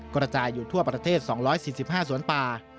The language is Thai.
กระจายอยู่ทั่วประเทศ๒๔๕สวนป่า